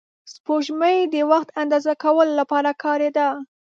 سپوږمۍ د وخت اندازه کولو لپاره کارېده